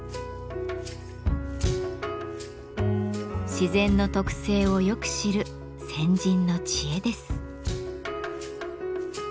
自然の特性をよく知る先人の知恵です。